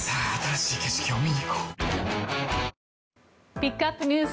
ピックアップＮＥＷＳ